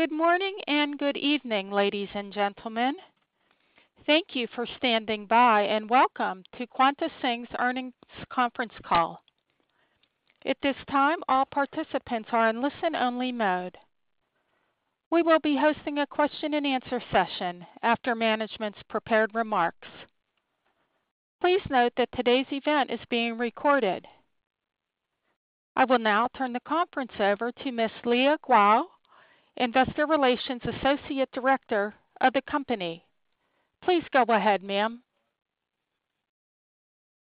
Good morning and good evening, ladies and gentlemen. Thank you for standing by, and welcome to QuantaSing's Earnings Conference Call. At this time, all participants are in listen-only mode. We will be hosting a question-and-answer session after management's prepared remarks. Please note that today's event is being recorded. I will now turn the conference over to Ms. Leah Guo, Investor Relations Associate Director of the company. Please go ahead, ma'am.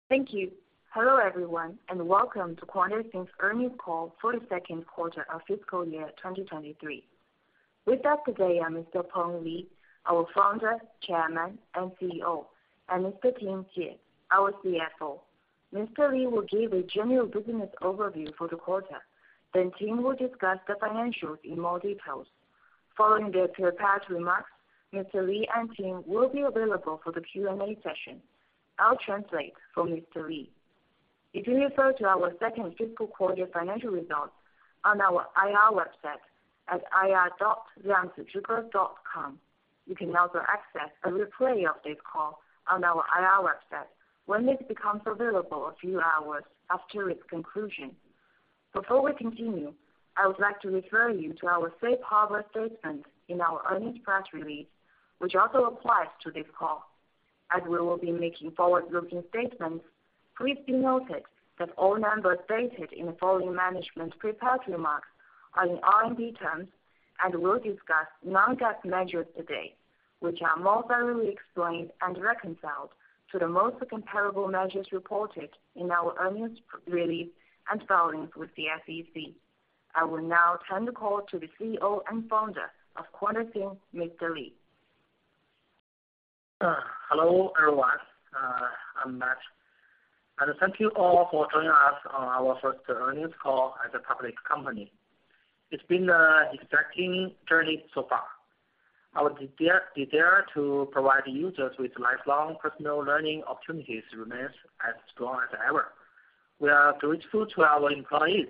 Thank you. Hello, everyone, and welcome to QuantaSing's Earnings Call for the second quarter of fiscal year 2023. With us today are Mr. Peng Li, our Founder, Chairman, and CEO, and Mr. Ting Xie, our CFO. Mr. Li will give a general business overview for the quarter, then Ting will discuss the financials in more details. Following their prepared remarks, Mr. Li and Ting will be available for the Q&A session. I'll translate for Mr. Li. If you refer to our second fiscal quarter financial results on our IR website at ir.liangshizuoke.com. You can also access a replay of this call on our IR website when this becomes available a few hours after its conclusion. Before we continue, I would like to refer you to our safe harbor statement in our earnings press release, which also applies to this call. As we will be making forward-looking statements, please be noted that all numbers stated in the following management prepared remarks are in RMB terms. We'll discuss non-GAAP measures today, which are more thoroughly explained and reconciled to the most comparable measures reported in our earnings release and filings with the SEC. I will now turn the call to the CEO and founder of QuantaSing, Mr. Li. Hello, everyone. I'm [back], thank you all for joining us on our first earnings call as a public company. It's been a exciting journey so far. Our desire to provide users with lifelong personal learning opportunities remains as strong as ever. We are grateful to our employees.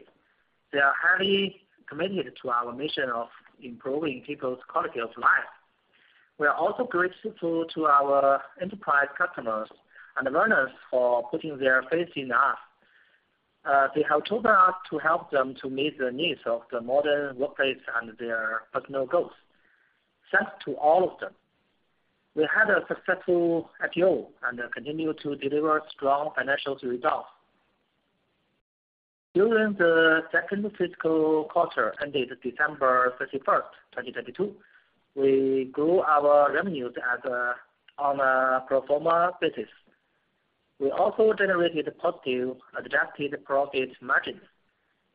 They are highly committed to our mission of improving people's quality of life. We are also grateful to our enterprise customers and learners for putting their faith in us. They have chosen us to help them to meet the needs of the modern workplace and their personal goals. Thanks to all of them. We had a successful IPO and continue to deliver strong financials results. During the second fiscal quarter ended December 31, 2022, we grew our revenues on a pro forma basis. We also generated positive adjusted profit margins,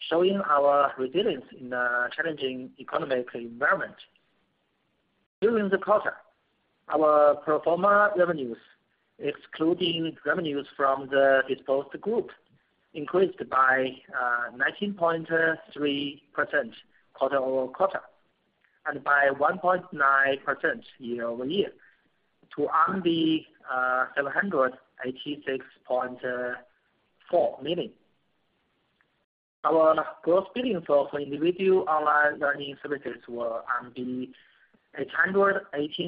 showing our resilience in a challenging economic environment. During the quarter, our pro forma revenues, excluding revenues from the disposed group, increased by 19.3% quarter-over-quarter and by 1.9% year-over-year to 786.4 million. Our gross billing for individual online learning services were 818.8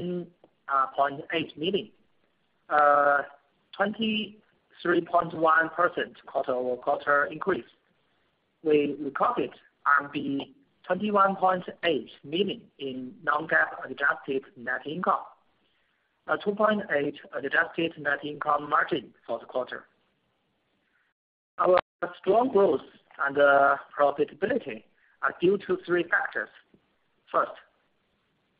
million, a 23.1% quarter-over-quarter increase. We recorded 21.8 million in non-GAAP adjusted net income. A 2.8 adjusted net income margin for the quarter. Our strong growth and profitability are due to three factors. First,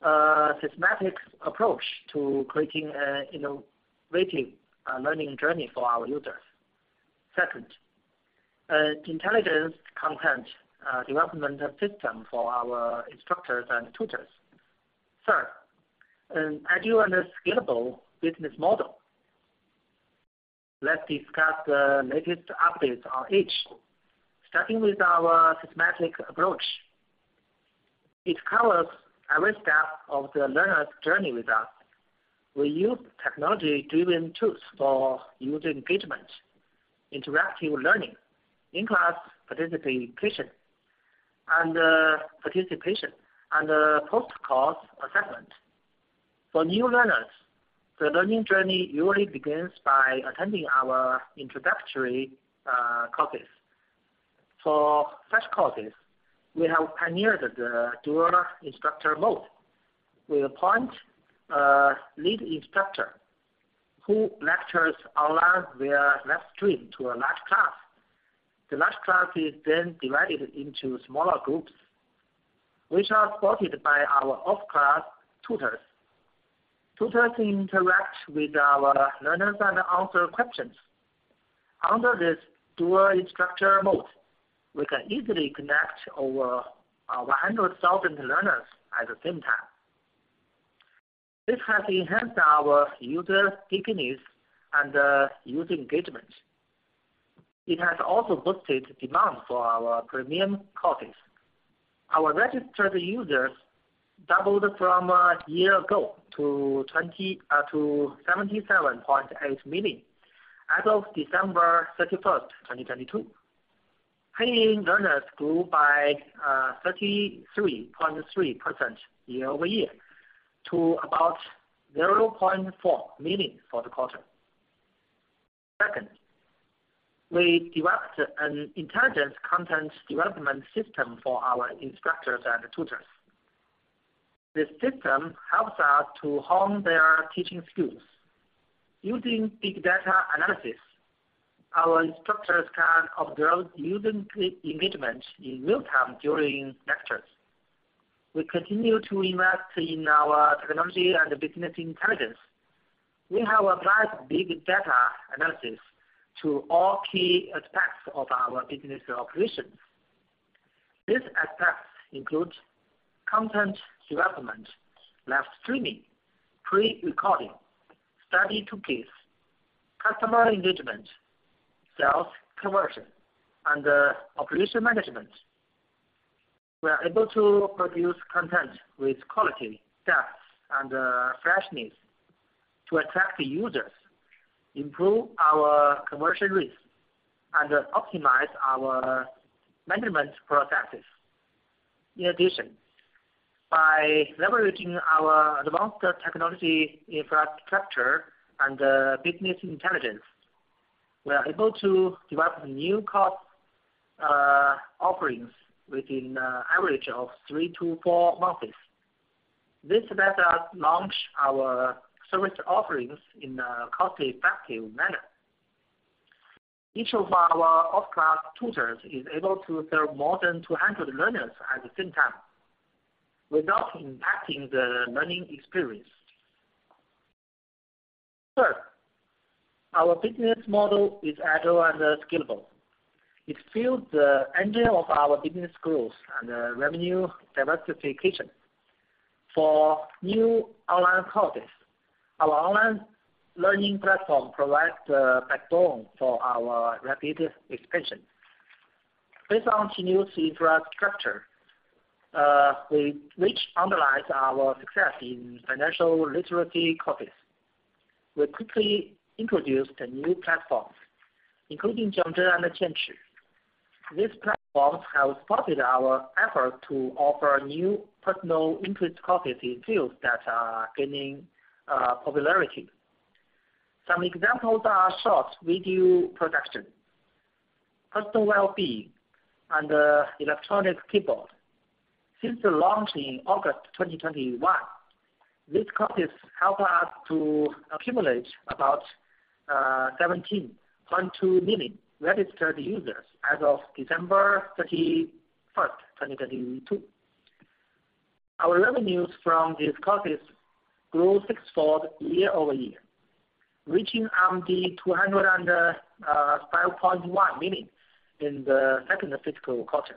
a systematic approach to creating an innovative learning journey for our users. Second, an intelligence content development system for our instructors and tutors. Third, an ideal and a scalable business model. Let's discuss the latest updates on each, starting with our systematic approach. It covers every step of the learner's journey with us. We use technology-driven tools for user engagement, interactive learning, in-class participation and post-course assessment. For new learners, the learning journey usually begins by attending our introductory courses. For such courses, we have pioneered the dual instructor mode. We appoint a lead instructor who lectures online via live stream to a large class. The large class is then divided into smaller groups, which are supported by our off-class tutors. Tutors interact with our learners and answer questions. Under this dual instructor mode, we can easily connect over 100,000 learners at the same time. This has enhanced our user stickiness and user engagement. It has also boosted demand for our premium courses. Our registered users doubled from a year ago to 77.8 million as of December 31st, 2022. Paying learners grew by 33.3% year-over-year to about 0.4 million for the quarter. Second, we developed an intelligence content development system for our instructors and tutors. This system helps us to hone their teaching skills. Using big data analysis, our instructors can observe student engagement in real time during lectures. We continue to invest in our technology and business intelligence. We have applied big data analysis to all key aspects of our business operations. These aspects include content development, live streaming, pre-recording, study toolkits, customer engagement, sales conversion, and operation management. We are able to produce content with quality, depth, and freshness to attract users, improve our conversion rates, and optimize our management processes. In addition, by leveraging our advanced technology infrastructure and business intelligence, we are able to develop new course offerings within average of three to four months. This lets us launch our service offerings in a cost-effective manner. Each of our off-class tutors is able to serve more than 200 learners at the same time without impacting the learning experience. Third, our business model is agile and scalable. It fuels the engine of our business growth and revenue diversification. For new online courses, our online learning platform provides the backbone for our rapid expansion. Based on continuous infrastructure, which underlies our success in financial literacy courses, we quickly introduced new platforms, including JiangZhen and QianChi. These platforms have supported our effort to offer new personal interest courses in fields that are gaining popularity. Some examples are short video production, personal wellbeing, and electronic keyboard. Since the launch in August 2021, these courses helped us to accumulate about 17.2 million registered users as of December 31st, 2022. Our revenues from these courses grew six-fold year-over-year, reaching 205.1 million in the second fiscal quarter.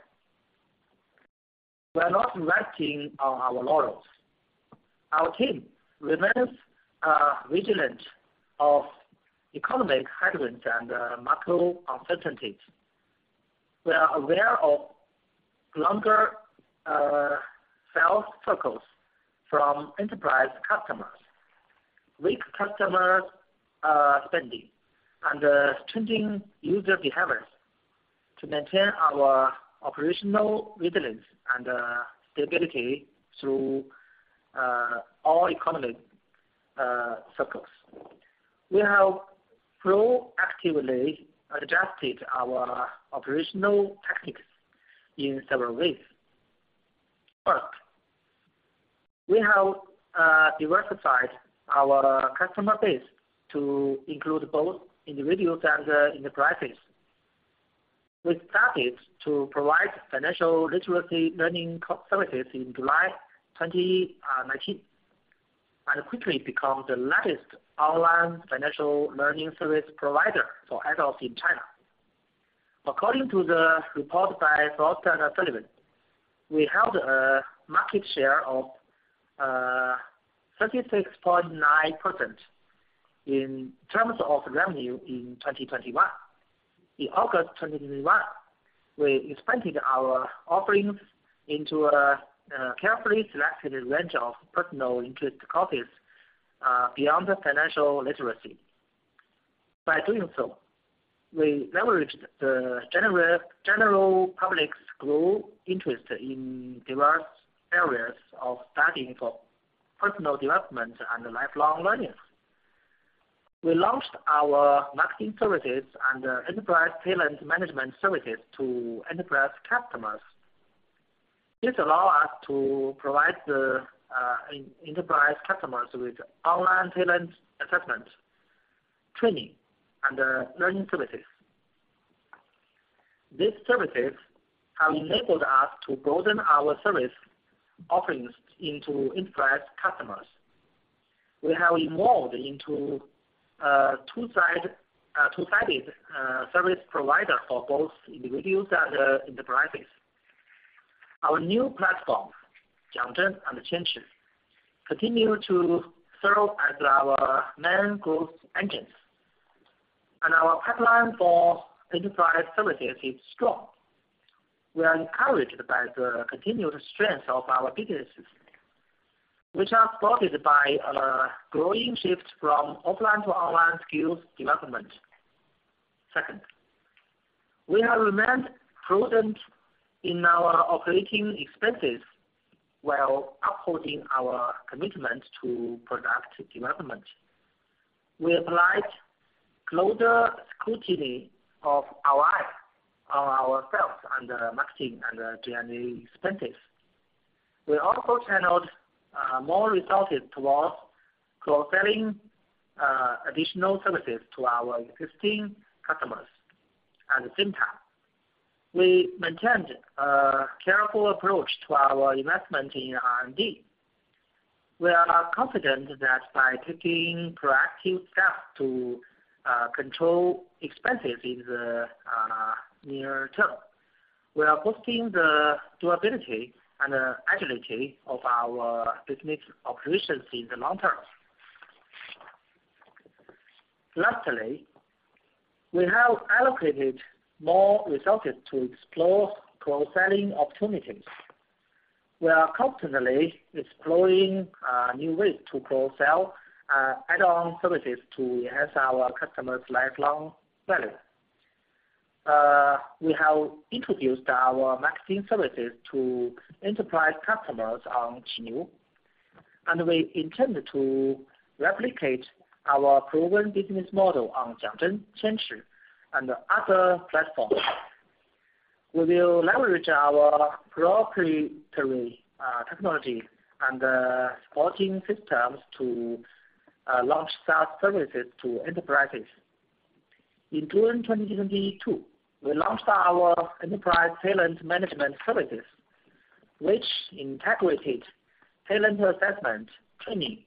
We are not resting on our laurels. Our team remains vigilant of economic headwinds and macro uncertainties. We are aware of longer sales cycles from enterprise customers, weak customer spending, and changing user behaviors to maintain our operational resilience and stability through all economic cycles. We have proactively adjusted our operational tactics in several ways. First, we have diversified our customer base to include both individuals and enterprises. We started to provide financial literacy learning services in July 2019 and quickly become the largest online financial learning service provider for adults in China. According to the report by Frost & Sullivan, we held a market share of 36.9% in terms of revenue in 2021. In August 2021, we expanded our offerings into a carefully selected range of personal interest courses beyond financial literacy. By doing so, we leveraged the general public's growing interest in diverse areas of studying for personal development and lifelong learning. We launched our marketing services and enterprise talent management services to enterprise customers. This allow us to provide the enterprise customers with online talent assessment, training, and learning services. These services have enabled us to broaden our service offerings into enterprise customers. We have evolved into a two-sided service provider for both individuals and enterprises. Our new platforms, JiangZhen and QianChi, continue to serve as our main growth engines, and our pipeline for enterprise services is strong. We are encouraged by the continued strength of our businesses. Which are supported by a growing shift from offline to online skills development. Second, we have remained prudent in our operating expenses while upholding our commitment to product development. We applied closer scrutiny of our eye on ourselves under marketing and G&A expenses. We also channeled more resources towards cross-selling additional services to our existing customers. At the same time, we maintained a careful approach to our investment in R&D. We are confident that by taking proactive steps to control expenses in the near term, we are boosting the durability and agility of our business operations in the long term. Lastly, we have allocated more resources to explore cross-selling opportunities. We are constantly exploring new ways to cross-sell add-on services to enhance our customers' lifelong value. We have introduced our marketing services to enterprise customers on QiNiu, and we intend to replicate our proven business model on Jiangxin Chenxi and other platforms. We will leverage our proprietary technology and supporting systems to launch SaaS services to enterprises. In June 2022, we launched our enterprise talent management services, which integrated talent assessment, training,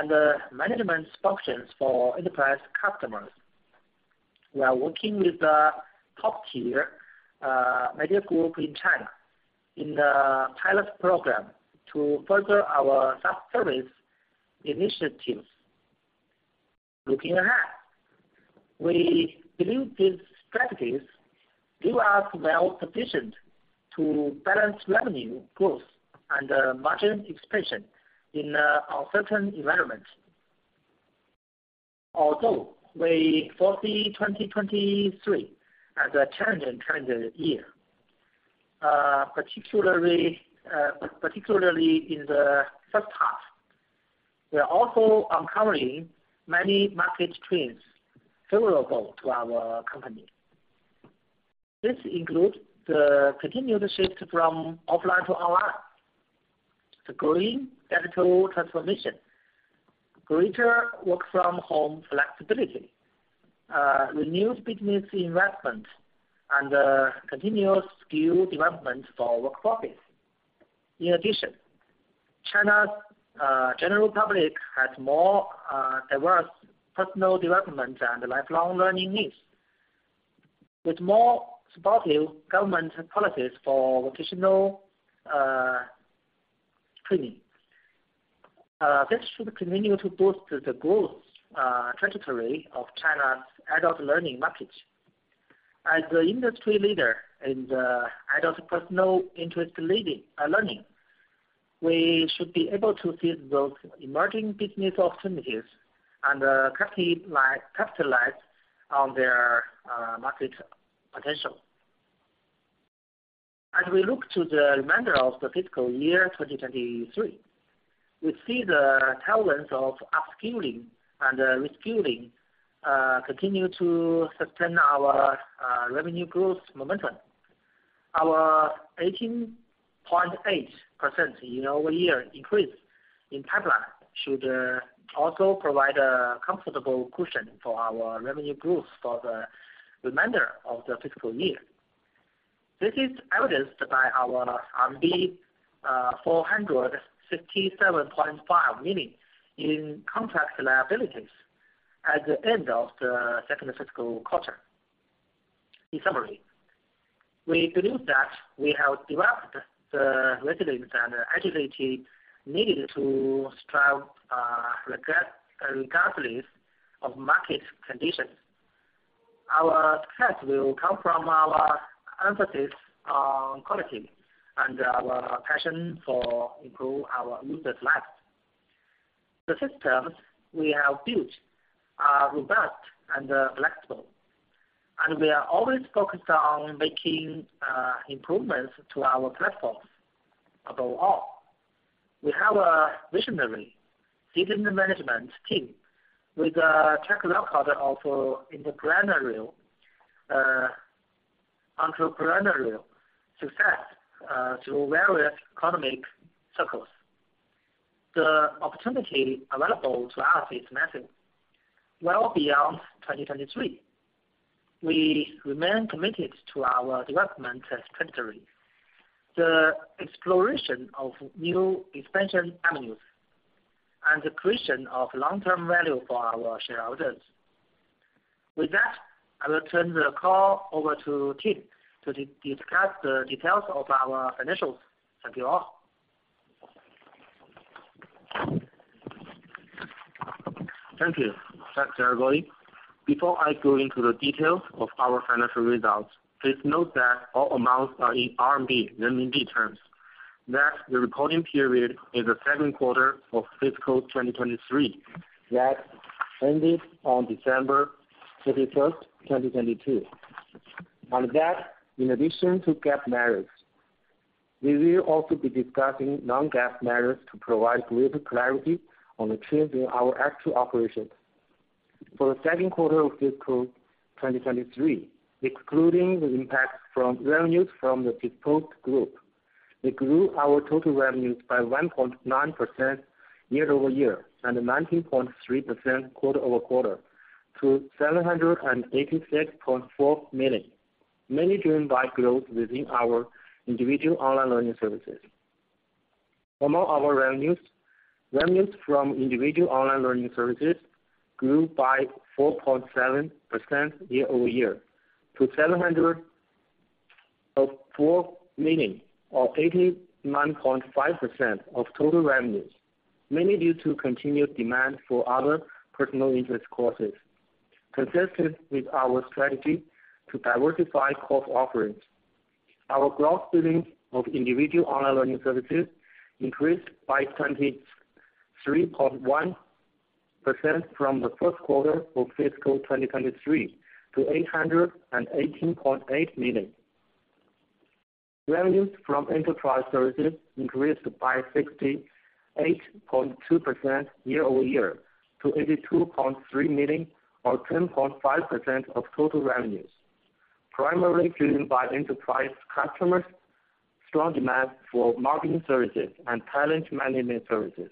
and management functions for enterprise customers. We are working with a top-tier media group in China in the pilot program to further our SaaS service initiatives. Looking ahead, we believe these strategies leave us well-positioned to balance revenue growth and margin expansion in a uncertain environment. Although we foresee 2023 as a challenging calendar year, particularly in the first half, we are also uncovering many market trends favorable to our company. This includes the continued shift from offline to online, the growing digital transformation, greater work-from-home flexibility, renewed business investment, and continuous skill development for workforces. In addition, China's general public has more diverse personal development and lifelong learning needs. With more supportive government policies for vocational training, this should continue to boost the growth trajectory of China's adult learning market. As an industry leader in the adult personal interest leading learning, we should be able to seize those emerging business opportunities and capitalize on their market potential. As we look to the remainder of the fiscal year 2023, we see the talents of upskilling and reskilling continue to sustain our revenue growth momentum. Our 18.8% year-over-year increase in pipeline should also provide a comfortable cushion for our revenue growth for the remainder of the fiscal year. This is evidenced by ou 457.5 million in contract liabilities at the end of the second fiscal quarter. In summary, we believe that we have developed the resilience and agility needed to strive regardless of market conditions. Our success will come from our emphasis on quality and our passion for improve our users' lives. The systems we have built are robust and flexible, and we are always focused on making improvements to our platforms. Above all, we have a visionary seasoned management team with a track record of entrepreneurial success through various economic cycles. The opportunity available to us is massive, well beyond 2023. We remain committed to our development trajectory, the exploration of new expansion avenues, and the creation of long-term value for our shareholders. With that, I will turn the call over to Ting to discuss the details of our financials. Thank you all. Thank you. Thanks, everybody. Before I go into the details of our financial results, please note that all amounts are in RMB, renminbi terms that the reporting period is the second quarter of fiscal 2023 that ended on December 31st, 2022. On that, in addition to GAAP measures, we will also be discussing non-GAAP measures to provide greater clarity on the trends in our actual operations. For the second quarter of fiscal 2023, excluding the impact from revenues from the disposed group, we grew our total revenues by 1.9% year-over-year, and 19.3% quarter-over-quarter to 786.4 million, mainly driven by growth within our individual online learning services. Among our revenues from individual online learning services grew by 4.7% year-over-year to 704 million or 89.5% of total revenues, mainly due to continued demand for other personal interest courses. Consistent with our strategy to diversify course offerings, our gross billings of individual online learning services increased by 23.1% from the first quarter of fiscal 2023 to 818.8 million. Revenues from enterprise services increased by 68.2% year-over-year to 82.3 million or 10.5% of total revenues, primarily driven by enterprise customers' strong demand for marketing services and talent management services.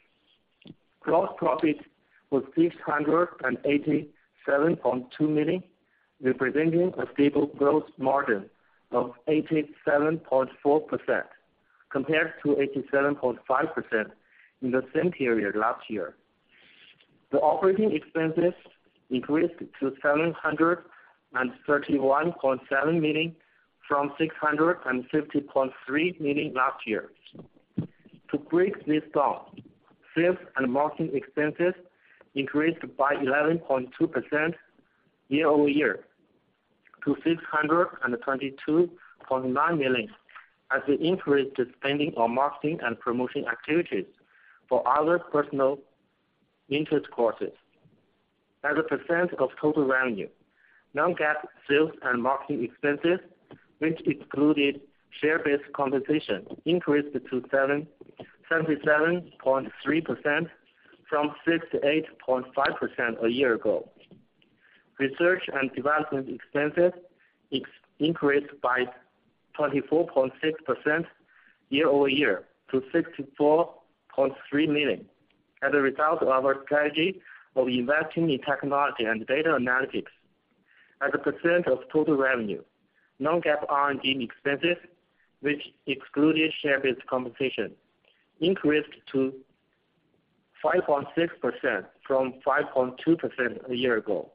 Gross profit was 687.2 million, representing a stable gross margin of 87.4% compared to 87.5% in the same period last year. The operating expenses increased to 731.7 million from 650.3 million last year. To break this down, sales and marketing expenses increased by 11.2% year-over-year to 622.9 million as we increased spending on marketing and promotion activities for other personal interest courses. As a percent of total revenue, non-GAAP sales and marketing expenses, which excluded share-based compensation, increased to 77.3% from 68.5% a year ago. Research and development expenses increased by 24.6% year-over-year to 64.3 million as a result of our strategy of investing in technology and data analytics. As a percent of total revenue, non-GAAP R&D expenses, which excluded share-based compensation, increased to 5.6% from 5.2% a year ago.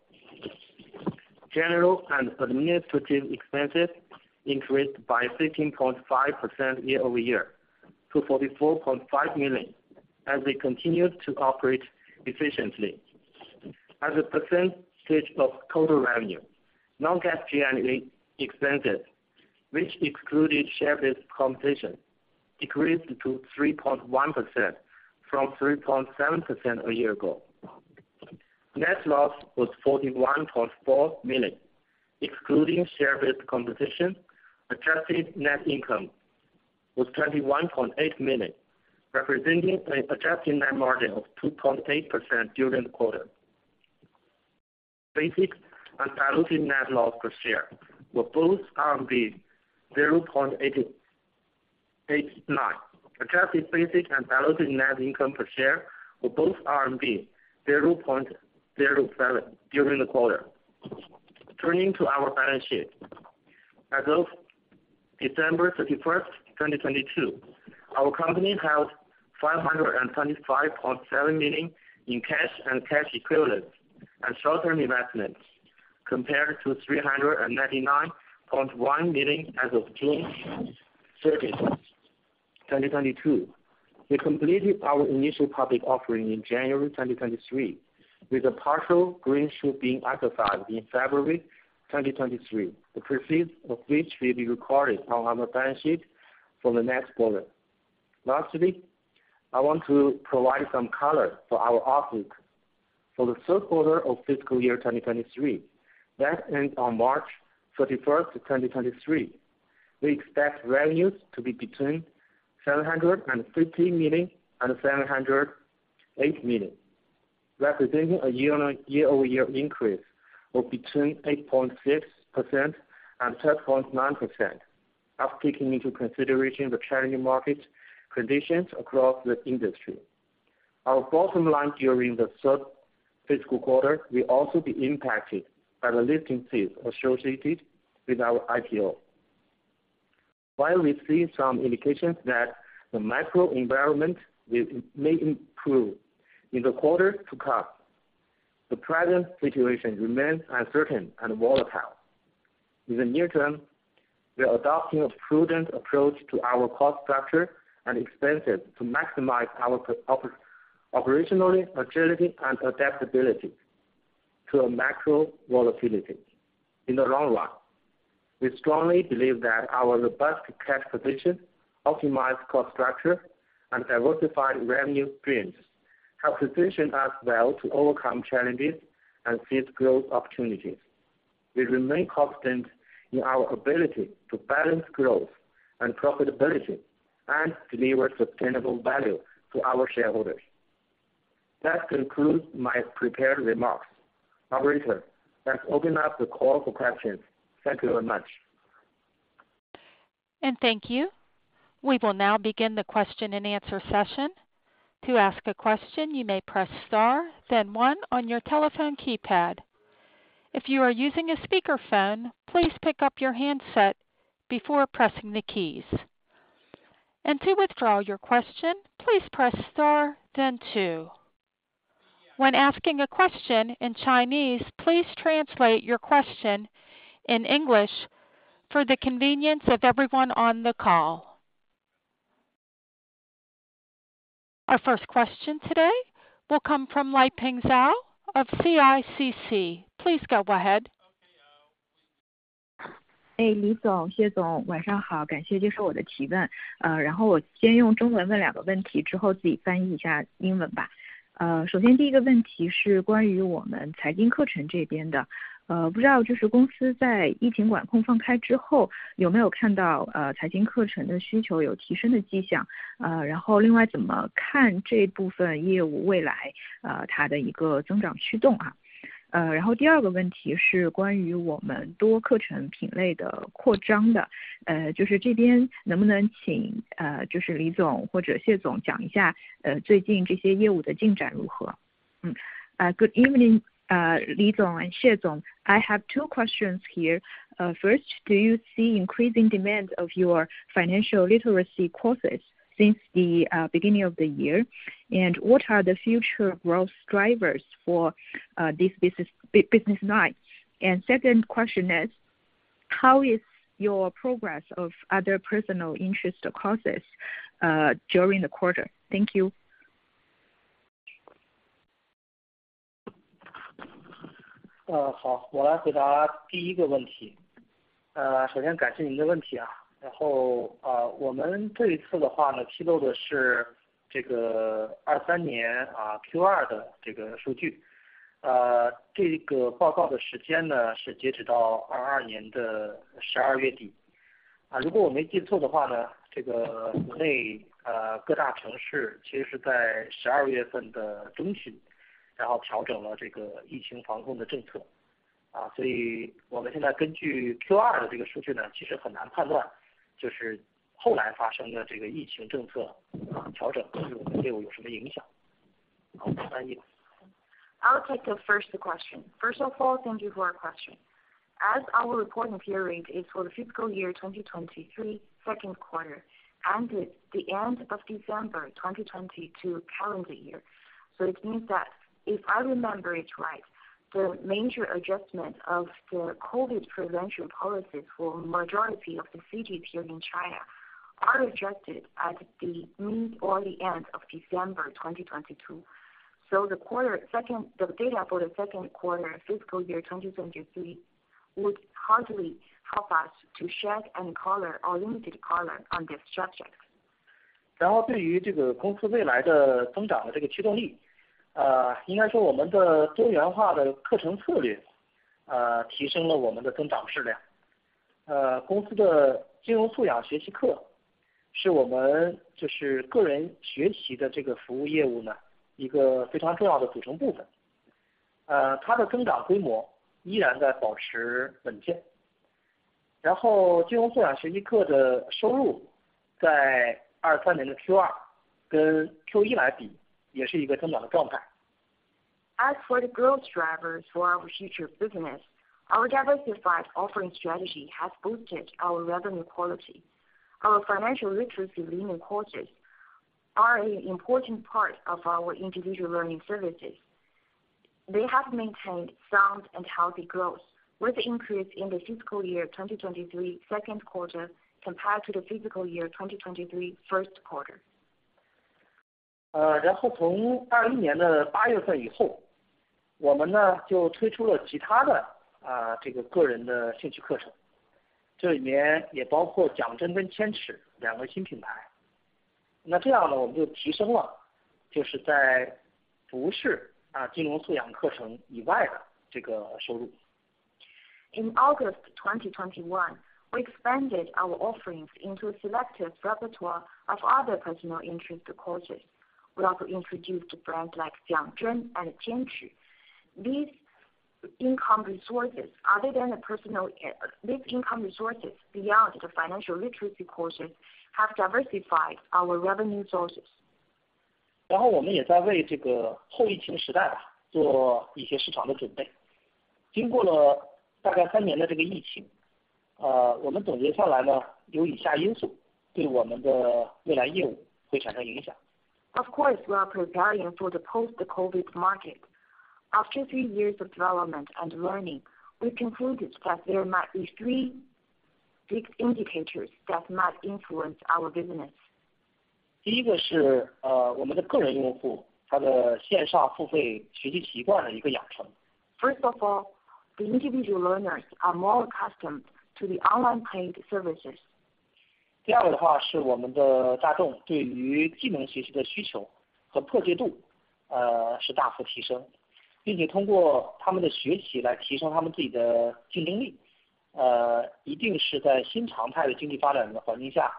General and administrative expenses increased by 13.5% year-over-year to 44.5 million as we continued to operate efficiently. As a percentage of total revenue, non-GAAP G&A expenses, which excluded share-based compensation, decreased to 3.1% from 3.7% a year ago. Net loss was 41.4 million. Excluding share-based compensation, adjusted net income was 21.8 million, representing an adjusted net margin of 2.8% during the quarter. Basic and diluted net loss per share were both 0.889. Adjusted basic and diluted net income per share were both 0.07 during the quarter. Turning to our balance sheet. As of December 31, 2022, our company held 525.7 million in cash and cash equivalents and short-term investments, compared to 399.1 million as of June 30, 2022. We completed our initial public offering in January 2023, with a partial greenshoe being exercised in February 2023, the proceeds of which will be recorded on our balance sheet for the next quarter. Lastly, I want to provide some color for our outlook. For the third quarter of fiscal year 2023 that ends on March 31, 2023, we expect revenues to be between 750 million and 708 million, representing a year-over-year increase of between 8.6% and 10.9% after taking into consideration the challenging market conditions across the industry. Our bottom line during the third fiscal quarter will also be impacted by the listing fees associated with our IPO. While we've seen some indications that the macro environment may improve in the quarters to come, the present situation remains uncertain and volatile. In the near term, we are adopting a prudent approach to our cost structure and expenses to maximize our operationally agility and adaptability to a macro volatility. In the long run, we strongly believe that our robust cash position, optimized cost structure, and diversified revenue streams have positioned us well to overcome challenges and seize growth opportunities. We remain confident in our ability to balance growth and profitability and deliver sustainable value to our shareholders. That concludes my prepared remarks. Operator, let's open up the call for questions. Thank you very much. Thank you. We will now begin the question-and-answer session. To ask a question, you may press star then one on your telephone keypad. If you are using a speakerphone, please pick up your handset before pressing the keys. To withdraw your question, please press star then two. When asking a question in Chinese, please translate your question in English for the convenience of everyone on the call. Our first question today will come from Liping Zhao of CICC. Please go ahead. 哎， 李 总， 谢 总， 晚上 好， 感谢接受我的提问。我先用中文问2个问 题， 之后自己翻译一下英文吧。首先 1st 个问题是关于我们财经课程这边 的， 不知道就是公司在疫情管控放开之后有没有看 到， 财经课程的需求有提升的迹象。另外怎么看这部分业务未 来， 它的一个增长驱动。2nd 个问题是关于我们多课程品类的扩张 的， 就是这边能不能 请， 就是李总或者谢总讲一 下， 最近这些业务的进展如 何？ Good evening, 李总 and 谢 总. I have two questions here. First, do you see increasing demand of your financial literacy courses since the beginning of the year? What are the future growth drivers for this business line? Second question is, how is your progress of other personal interest courses during the quarter? Thank you. 呃， 好， 我来回答第一个问题。呃， 首先感谢你的问题啊。然 后， 呃， 我们这一次的话 呢， 披露的是这个二三年啊 ，Q2 的这个数据。呃， 这个报告的时间 呢， 是截止到二二年的十二月底。啊， 如果我没记错的话 呢， 这个国 内， 呃， 各大城市其实是在十二月份的中 旬， 然后调整了这个疫情防控的政 策， 啊， 所以我们现在根据 Q2 的这个数据 呢， 其实很难判 断， 就是后来发生的这个疫情政 策， 呃， 调整对于我们的业务有什么影响。好， 翻译。I'll take the first question. First of all, thank you for your question. As our reporting period is for the fiscal year 2023 second quarter and the end of December 2022 calendar year. It means that if I remember it right, the major adjustment of the COVID prevention policies for majority of the cities here in China are adjusted at the mid or the end of December 2022. The data for the second quarter fiscal year 2023 would hardly help us to shed any color or limited color on this subject. 对于这个公司未来的增长的这个驱动力，应该说我们的多元化的课程策 略， 提升了我们的增长势量。公司的金融素养学习课是我们就是个人学习的这个服务业务 呢， 一个非常重要的组成部 分， 它的增长规模依然在保持稳健。金融素养学习课的收入在2023年的 Q2 跟 Q1 来比，也是一个增长的状态。As for the growth drivers for our future business, our diversified offering strategy has boosted our revenue quality. Our financial literacy learning courses are an important part of our individual learning services. They have maintained sound and healthy growth, with increase in the fiscal year 2023 second quarter compared to the fiscal year 2023 first quarter. 从2001年8月份以 后， 我们就推出了其他的个人的兴趣课 程， 这里面也包括 JiangZhen 跟 QianChi 2个新品牌。这样我们就提升了就是在不是金融素养课程以外的这个收入。In August 2021, we expanded our offerings into a selective repertoire of other personal interest courses. We also introduced brands like JiangZhen and QianChi. These income resources beyond the financial literacy courses have diversified our revenue sources. 然后我们也在为这个后疫情时代 吧， 做一些市场的准备。经过了大概三年的这个疫 情， 我们总结下来 呢， 有以下因素对我们的未来业务会产生影响。Of course, we are preparing for the post-COVID market. After three years of development and learning, we concluded that there might be three big indicators that might influence our business. 第一个 是， 呃， 我们的个人用 户， 他的线上付费学习习惯的一个养成。First of all, the individual learners are more accustomed to the online paid services. 第二个的话是我们的大众对于技能学习的需求和迫切 度， 是大幅提 升， 并且通过他们的学习来提升他们自己的竞争 力， 一定是在新常态的经济发展的环境 下，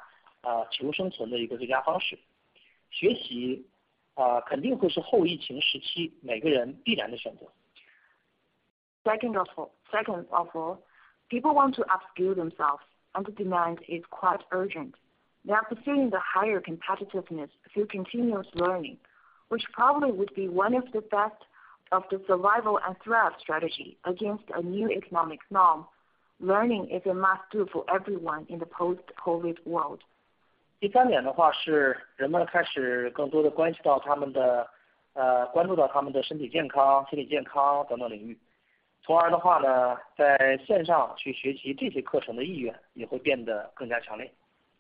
求生存的一个最佳方式。学 习， 肯定会是后疫情时期每个人必然的选择。Second of all, people want to upskill themselves and the demand is quite urgent. They are pursuing the higher competitiveness through continuous learning, which probably would be one of the best of the survival and thrive strategy against a new economic norm. Learning is a must-do for everyone in the post-COVID world. 第3点的话是人们开始更多地关注到他们的身体健康、心理健康等等领 域， 从而的话 呢， 在线上去学习这些课程的意愿也会变得更加强烈。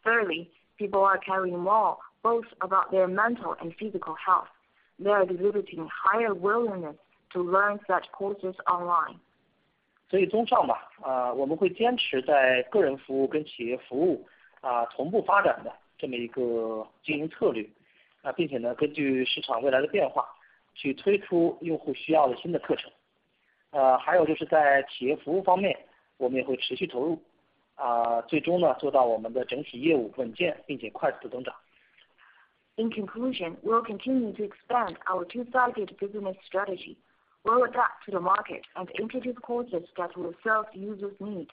Thirdly, people are caring more, both about their mental and physical health. They are exhibiting higher willingness to learn such courses online. 综上 吧， 我们会坚持在个人服务跟企业服 务， 同步发展的这么一个经营策 略， 并且 呢， 根据市场未来的变化去推出用户需要的新的课程。还有就是在企业服务方 面， 我们也会持续投 入， 最终呢做到我们的整体业务稳健并且快速增长。In conclusion, we will continue to expand our two-sided business strategy. We will adapt to the market and introduce courses that will serve users' needs.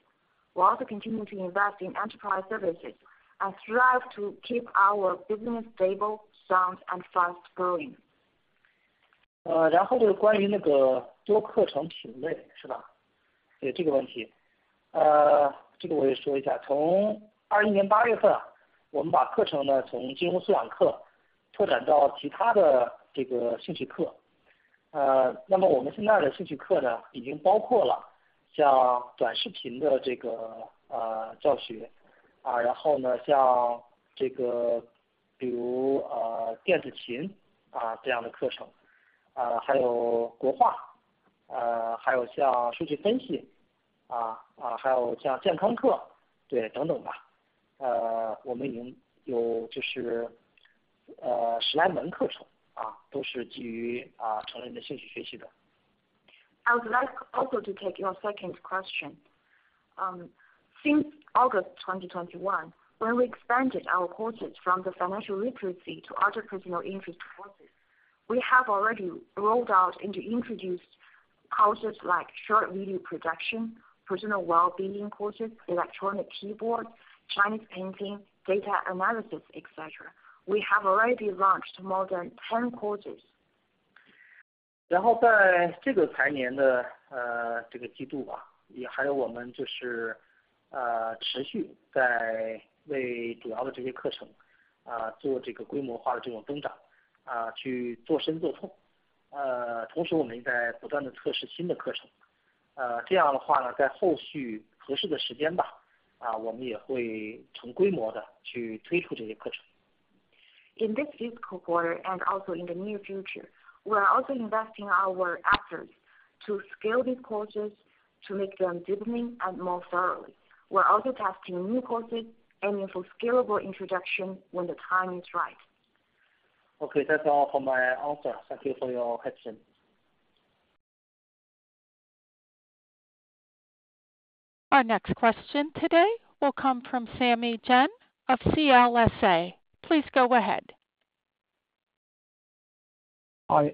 We will also continue to invest in enterprise services and thrive to keep our business stable, sound and fast-growing. 关于那个多课程品类是 吧？ 对， 这个问 题， 这个我也说一 下， 从2021年八月 份， 我们把课程呢从金融素养课拓展到其他的这个兴趣课。我们现在的兴趣课 呢， 已经包括了像短视频的这个教 学， 然后 呢， 像这个比如电子琴这样的课程，还有国 画， 还有像数据分 析， 还有像健康 课， 对， 等等吧。我们已经 有， 就 是， 10来门课 程， 都是基于成人的兴趣学习的。I would like also to take your second question. Since August 2021, when we expanded our courses from the financial literacy to other personal interest courses, we have already rolled out and introduced courses like short video production, personal wellbeing courses, electronic keyboard, Chinese painting, data analysis, etc. We have already launched more than 10 courses. 在这个财年 的， 这个季 度， 也还有我们就 是， 持续在为主要的这些课 程， 做这个规模化的这种增长，去做深做透。同时我们也在不断地测试新的课 程， 这样的话 呢， 在后续合适的时间 吧， 我们也会成规模地去推出这些课程。In this fiscal quarter and also in the near future, we are also investing our efforts to scale these courses to make them deepening and more thorough. We are also testing new courses aiming for scalable introduction when the time is right. Okay. That's all for my answer. Thank you for your question. Our next question today will come from Sammy Chan of CLSA. Please go ahead. Hi,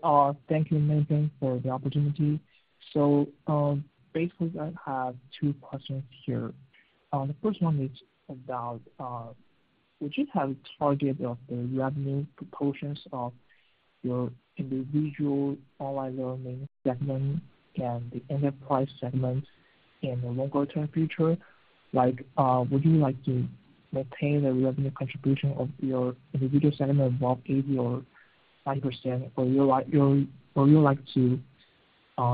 thank you management for the opportunity. Basically I have two questions here. The first one is about, would you have a target of the revenue proportions of your individual online learning segment and the enterprise segment in the longer-term future? Like, would you like to maintain the revenue contribution of your individual segment above 80% or 90%, or you like to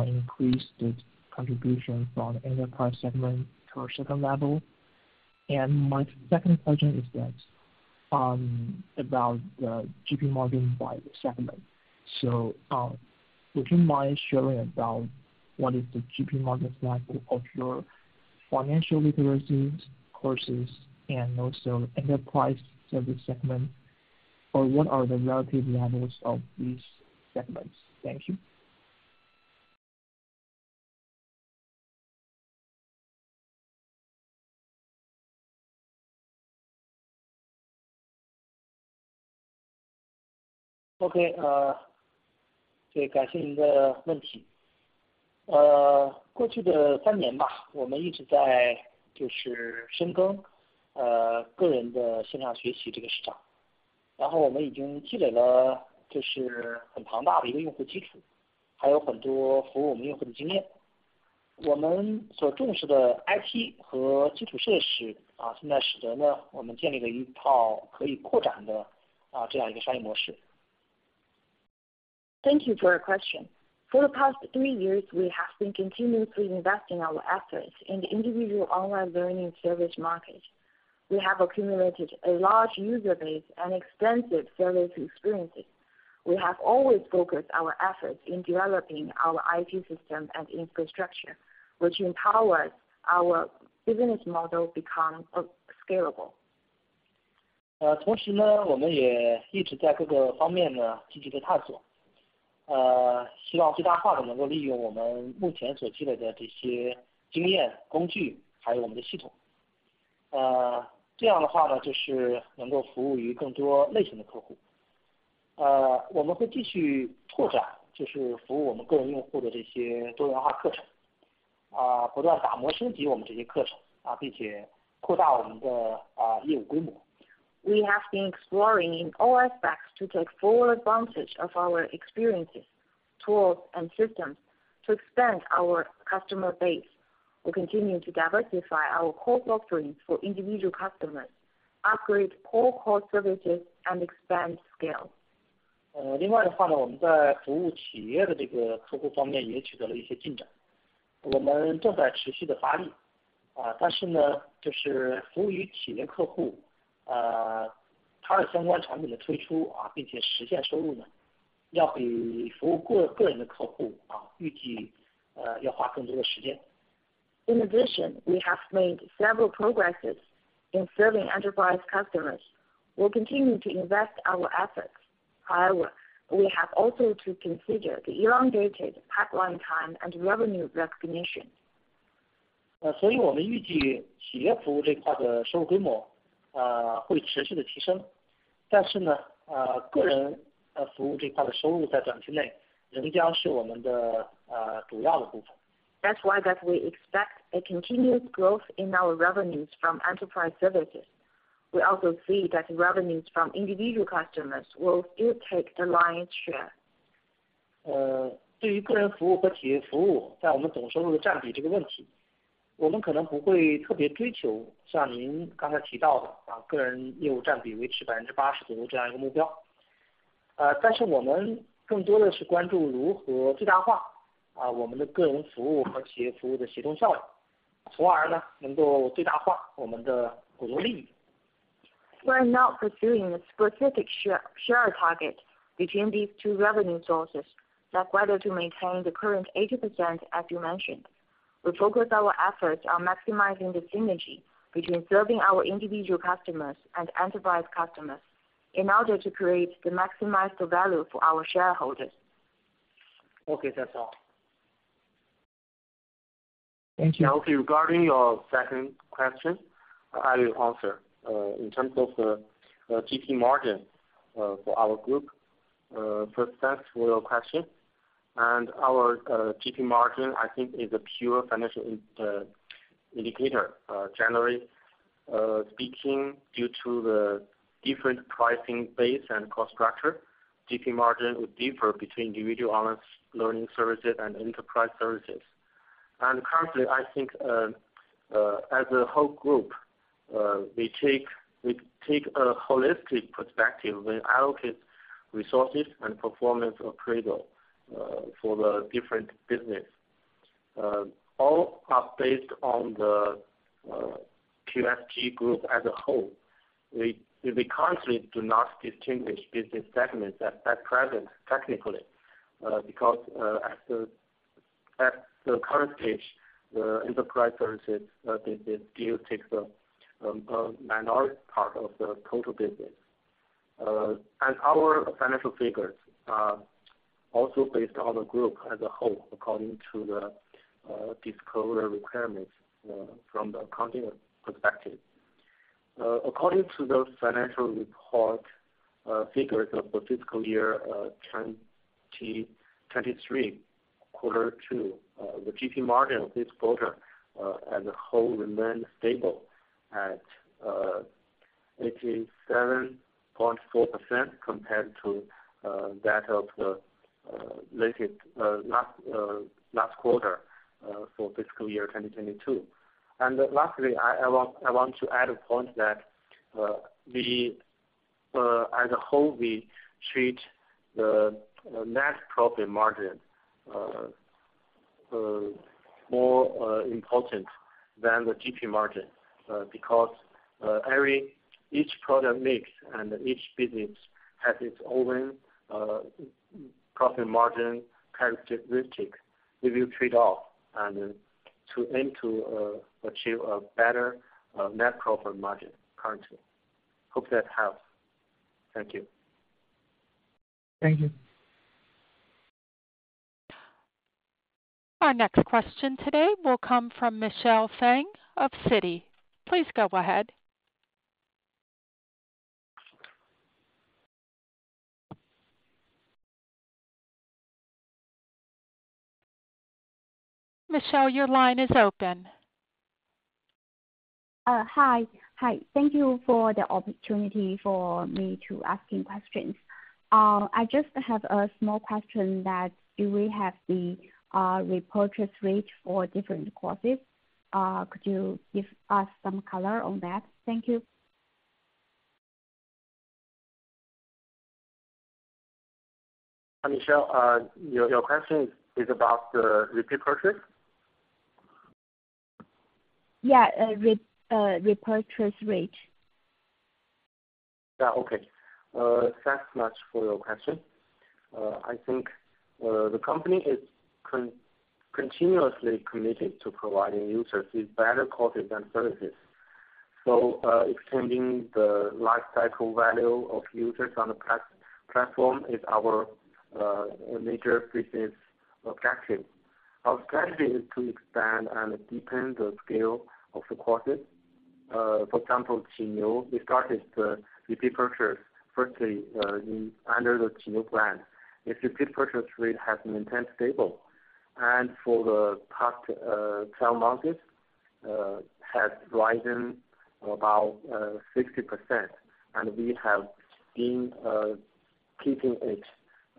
increase the contribution from enterprise segment to a certain level? My second question is that, about the GP margin by segment. Would you mind sharing about what is the GP margin level of your financial literacies courses and also enterprise service segment, or what are the relative levels of these segments? Thank you. OK, 对, 感谢你的问题。过去的3年 吧, 我们一直在就是深 耕, 个人的线上学习这个市 场, 然后我们已经积累 了, 就是很庞大的一个用户基 础, 还有很多服务我们用户的经验。我们所重视的 IT 和基础设 施, 现在使得呢我们建立了一套可以扩展的这样一个商业模式。Thank you for your question. For the past three years, we have been continuously investing our efforts in the individual online learning service market. We have accumulated a large user base and extensive service experiences. We have always focused our efforts in developing our IT system and infrastructure, which empowers our business model become scalable. 同时 呢， 我们也一直在各个方面呢积极地探索，希望最大化地能够利用我们目前所积累的这些经验、工 具， 还有我们的系统。这样的话 呢， 就是能够服务于更多类型的客户。我们会继续拓 展， 就是服务我们个人用户的这些多元化课 程， 不断打磨、升级我们这些课 程， 并且扩大我们的业务规模。We have been exploring in all aspects to take full advantage of our experiences, tools and systems to expand our customer base. We continue to diversify our core offerings for individual customers, upgrade core services and expand scale. 另外的话 呢， 我们在服务企业的这个客户方面也取得了一些进 展， 我们正在持续地发 力， 但是 呢， 就是服务于企业客户，它的相关产品的推 出， 并且实现收入 呢， 要比服务个人的客 户， 预 计， 要花更多的时间。In addition, we have made several progresses in serving enterprise customers. We'll continue to invest our efforts. However, we have also to consider the elongated pipeline time and revenue recognition. 所以我们预计企业服务这块的收入规模， 呃， 会持续地提升。但是 呢， 呃， 个人服务这块的收入在短期内仍将是我们 的， 呃， 主要的部分。That's why that we expect a continuous growth in our revenues from enterprise services. We also see that revenues from individual customers will still take the lion's share. 对于个人服务和企业服务在我们总收入的占比这个问 题, 我们可能不会特别追求像您刚才提到的个人业务占比维持 80% 左右这样一个目 标. 我们更多的是关注如何最大化我们的个人服务和企业服务的协同效 应, 从而呢能够最大化我们的股东利 益. We are not pursuing a specific share target between these two revenue sources, like whether to maintain the current 80%, as you mentioned. We focus our efforts on maximizing the synergy between serving our individual customers and enterprise customers in order to create the maximized value for our shareholders. Okay, that's all. Thank you. Okay. Regarding your second question, I will answer. In terms of the GP margin for our group. First thanks for your question. And our GP margin, I think is a pure financial in indicator. Generally speaking, due to the different pricing base and cost structure, GP margin would differ between individual owners learning services and enterprise services. And currently, I think as a whole group, we take a holistic perspective when allocate resources and performance appraisal for the different business. All are based on the QSG Group as a whole. We currently do not distinguish business segments at that present technically, because at the current stage, the enterprise services, the deal takes a minority part of the total business. And our financial figures are also based on the group as a whole, according to the disclosure requirements from the accounting perspective. According to the financial report figures of the fiscal year 2023 quarter two, the GP margin of this quarter as a whole remained stable at 87.4% compared to that of the latest last quarter for fiscal year 2022. And lastly, I want to add a point that we as a whole, we treat the net profit margin more important than the GP margin, because every each product mix and each business has its own profit margin characteristic. We will trade off and to aim to achieve a better net profit margin currently. Hope that helps. Thank you. Thank you. Our next question today will come from Michelle Fang of Citi. Please go ahead. Michelle, your line is open. Hi. Hi. Thank you for the opportunity for me to asking questions. I just have a small question that do we have the repurchase rate for different courses? Could you give us some color on that? Thank you. Michelle, your question is about the repeat purchase? Yeah. repurchase rate. Yeah. Okay. Thanks much for your question. I think, the company is continuously committed to providing users with better quality and services. Extending the lifecycle value of users on the platform is our major business objective. Our strategy is to expand and deepen the scale of the courses. For example, Qinyou. We started the repeat purchase firstly, in under the Qinyou brand. The repeat purchase rate has maintained stable. For the past 12 months, has risen about 60%, and we have been keeping it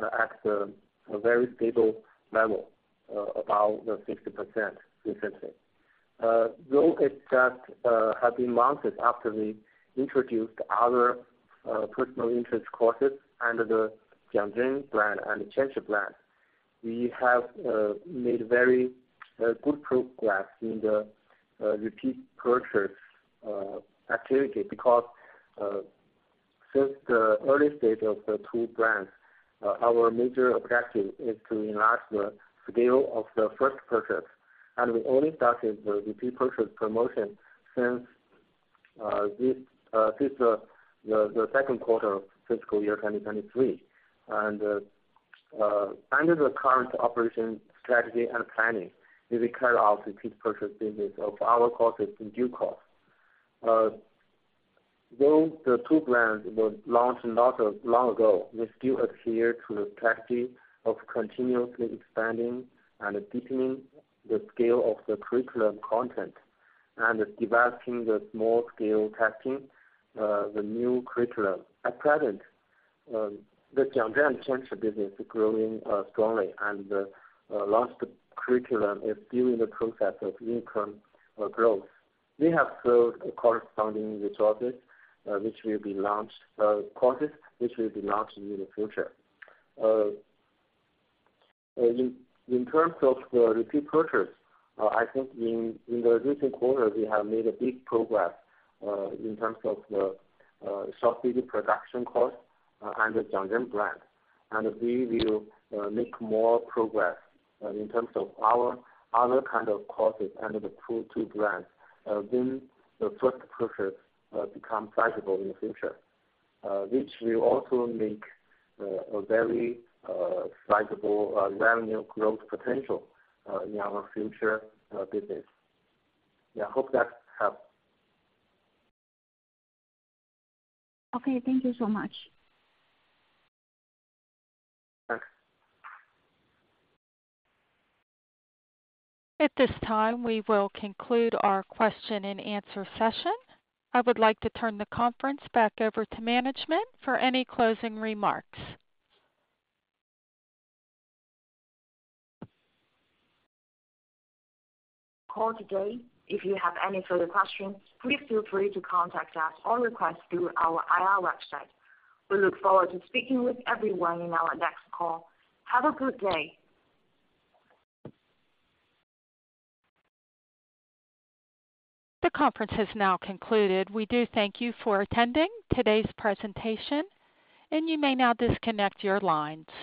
at a very stable level, about the 60% recently. Though it just have been months after we introduced other personal interest courses under the JiangZhen brand and the QianChi brand. We have made very good progress in the repeat purchase activity because since the early stage of the two brands, our major objective is to enlarge the scale of the first purchase. We only started the repeat purchase promotion since this, the second quarter of fiscal year 2023. Under the current operation strategy and planning, we will carry out repeat purchase business of our courses in due course. Though the two brands were launched not long ago, we still adhere to the strategy of continuously expanding and deepening the scale of the curriculum content and advancing the small-scale testing the new curriculum. At present, the JiangZhen and QianChi business is growing strongly and last curriculum is still in the process of income growth. We have built the corresponding resources, which will be launched, courses which will be launched in the future. In terms of the repeat purchase, I think in the recent quarter, we have made a big progress, in terms of the, short video production course under JiangZhen brand. We will make more progress, in terms of our other kind of courses under the two brands, when the first purchase, become sizable in the future, which will also make, a very, sizable, revenue growth potential, in our future, business. Yeah, I hope that helped. Okay, thank you so much. Thanks. At this time, we will conclude our question-and-answer session. I would like to turn the conference back over to management for any closing remarks. Call today. If you have any further questions, please feel free to contact us or request through our I.R. website. We look forward to speaking with everyone in our next call. Have a good day. The conference has now concluded. We do thank you for attending today's presentation. You may now disconnect your lines.